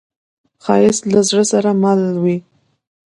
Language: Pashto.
ښایست له زړه سره مل وي